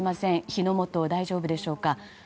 火の元、大丈夫でしょうか。